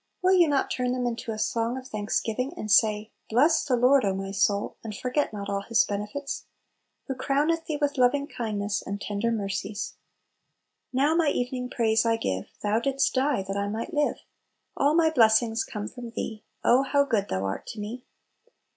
Will you not turn them into a song of thanksgiving, and say, "Bless the Lord, O my soul, and forget not all his benefits: Who crowneth thee with loving kindness and tender mercies 1" "Now my evening praise I give; Thou didst die that I might live; All my blessings come from Thee, Oh how good Thou art to me